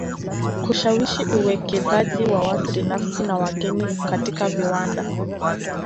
Kushawishi uwekezaji wa watu binafsi na wageni katika viwanda